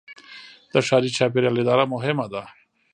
د ښاري چاپیریال اداره مهمه ده.